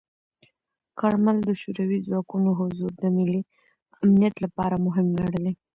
کارمل د شوروي ځواکونو حضور د ملي امنیت لپاره مهم ګڼلی.